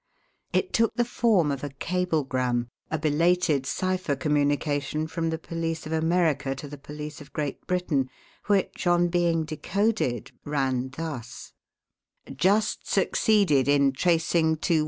It took the form of a cablegram a belated cipher communication from the police of America to the police of Great Britain which on being decoded, ran thus: "Just succeeded in tracing 218.